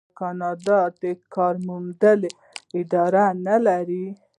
آیا کاناډا د کار موندنې ادارې نلري؟